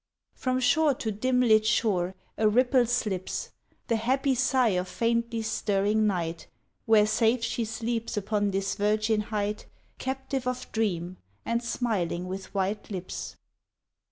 From shore to dim lit shore a ripple slips, The happy sigh of faintly stirring night Where safe she sleeps upon this virgin height Captive of dream and smiling with white lips.